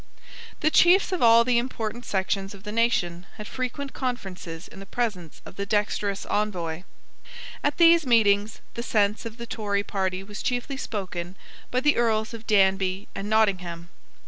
The chiefs of all the important sections of the nation had frequent conferences in the presence of the dexterous Envoy. At these meetings the sense of the Tory party was chiefly spoken by the Earls of Danby and Nottingham.